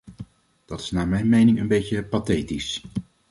Dat is naar mijn mening een beetje pathetisch.